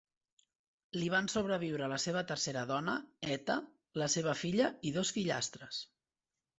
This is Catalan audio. Li van sobreviure la seva tercera dona, Etta, la seva filla i dos fillastres.